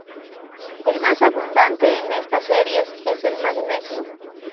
El más abundante en estas series es el magnesio.